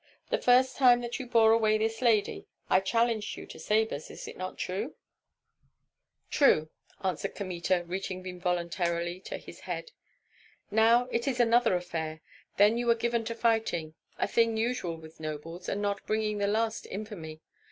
The first time that you bore away this lady I challenged you to sabres, is it not true?" "True," answered Kmita, reaching involuntarily to his head. "Now it is another affair. Then you were given to fighting, a thing usual with nobles, and not bringing the last infamy.